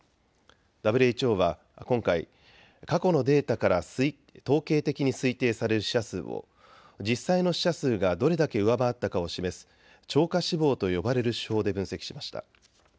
ＷＨＯは今回、過去のデータから統計的に推定される死者数を実際の死者数がどれだけ上回ったかを示す超過死亡と呼ばれる手法で分析しました。